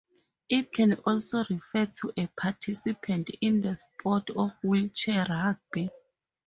It can also refer to a participant in the sport of wheelchair rugby.